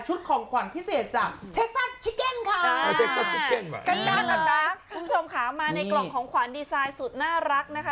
ของขวัญพิเศษจากเท็กซัสชิเก็นค่ะคุณผู้ชมค่ะมาในกล่องของขวัญดีไซน์สุดน่ารักนะคะ